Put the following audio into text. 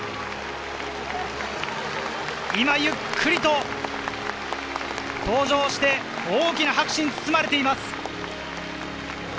今ゆっくりと登場して大きな拍手に包まれています。